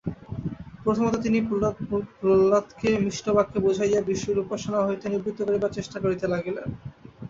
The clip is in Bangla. প্রথমত তিনি প্রহ্লাদকে মিষ্ট বাক্যে বুঝাইয়া বিষ্ণুর উপাসনা হইতে নিবৃত্ত করিবার চেষ্টা করিতে লাগিলেন।